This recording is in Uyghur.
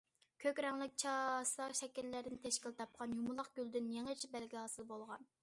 كۆك رەڭلىك چاسا شەكىللەردىن تەشكىل تاپقان يۇمىلاق گۈلدىن يېڭىچە بەلگە ھاسىل بولغان.